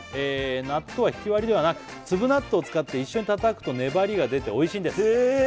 納豆はひき割りではなく粒納豆を使って一緒にたたくと粘りが出ておいしいんですへえ！